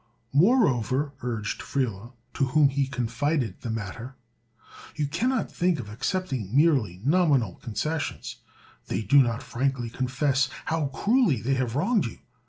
"Moreover," urged Friele, to whom he confided the matter, "you cannot think of accepting merely nominal concessions. They do not frankly confess how cruelly they have wronged you.